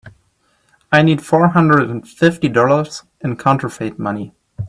I need four hundred and fifty dollars in counterfeit money.